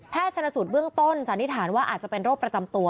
ชนสูตรเบื้องต้นสันนิษฐานว่าอาจจะเป็นโรคประจำตัว